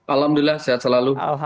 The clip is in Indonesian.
alhamdulillah sehat selalu